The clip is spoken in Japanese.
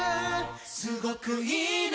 すごくいいね